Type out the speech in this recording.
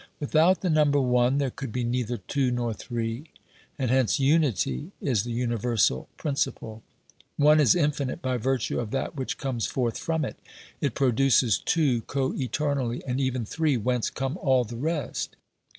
Without the number One, there could be neither two nor three, and hence unity is the universal principle. One is infinite by virtue of that which comes forth from it ; it produces two co eternally, and even three, whence come all the rest.